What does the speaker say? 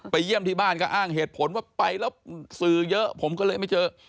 เยี่ยมที่บ้านก็อ้างเหตุผลว่าไปแล้วสื่อเยอะผมก็เลยไม่เจอ